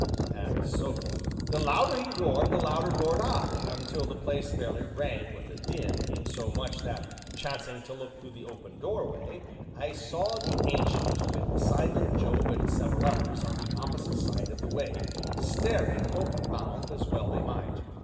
And so forth. The louder he roared, the louder roared I, until the place fairly rang with the din, in so much that, chancing to look through the open doorway, I saw the Ancient, with Simon, Job, and several others, on the opposite side of the way, staring, open mouthed, as well they might.